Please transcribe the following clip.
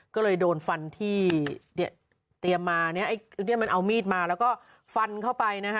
ก็เลยโดนฟันที่เตรียมมาเนี่ยไอ้เนี่ยมันเอามีดมาแล้วก็ฟันเข้าไปนะคะ